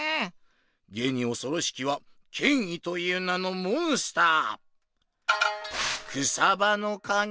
げにおそろしきは権威という名のモンスター！